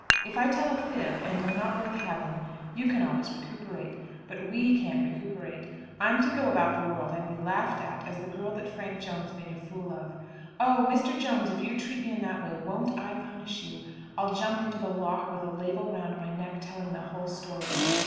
If I tell a fib, and am not worth having, you can always recuperate. But we can't recuperate. I'm to go about the world and be laughed at, as the girl that Frank Jones made a fool of. Oh! Mr. Jones, if you treat me in that way, won't I punish you? I'll jump into the lough with a label round my neck telling the whole story.